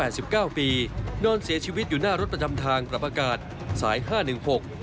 สิบเก้าปีนอนเสียชีวิตอยู่หน้ารถประจำทางปรับอากาศสายห้าหนึ่งหก